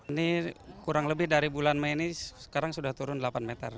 ini kurang lebih dari bulan mei ini sekarang sudah turun delapan meter